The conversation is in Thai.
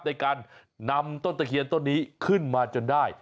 ในการนำต้นตะเคียนต้นนี้ขึ้นมาจนได้